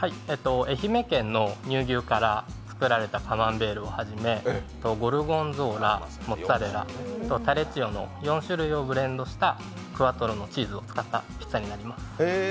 愛媛県の乳牛から作られたカマンベールをはじめゴルゴンゾーラ、モッツァレラ、タレッジオの４種類をブレンドしたクワトロのチーズを使ったものになります。